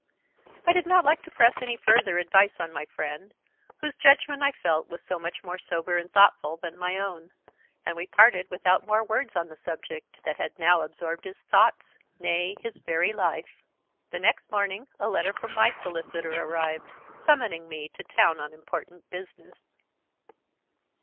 I did not like to press any further advice on my friend, whose judgment, I felt, was so much more sober and thoughtful than my own; and we parted without more words on the subject that had now absorbed his thoughts, nay, his very life. The next morning a letter from my solicitor arrived, summoning me to town on important business.